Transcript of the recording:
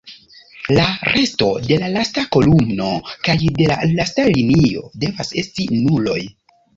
La resto de la lasta kolumno kaj de la lasta linio devas esti nuloj.